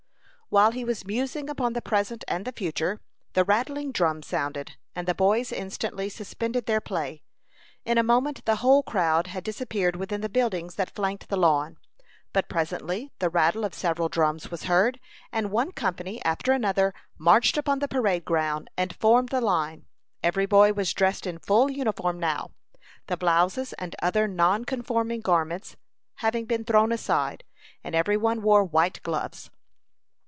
While he was musing upon the present and the future, the rattling drum sounded, and the boys instantly suspended their play. In a moment the whole crowd had disappeared within the buildings that flanked the lawn; but presently the rattle of several drums was heard, and one company after another marched upon the parade ground, and formed the line. Every boy was dressed in full uniform now, the blouses and other non conforming garments having been thrown aside, and every one wore white gloves.